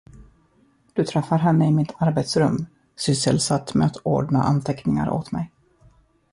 Du träffar henne i mitt arbetsrum, sysselsatt med att ordna anteckningar åt mig.